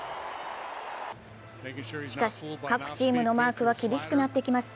しかし各チームのマークは厳しくなってきます。